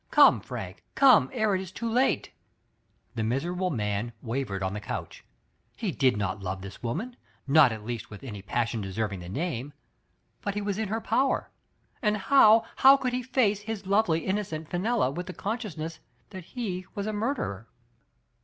Come, Frank, come ere it is too late." The miserable man wavered on the couch ; he did not love this woman, not at least with any passion deserving the name, but he was in her power. And how, how could he face his lovely innocent Fenella with the consciousness that he was a murderer?